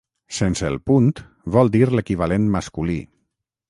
Sense el punt, vol dir l'equivalent masculí.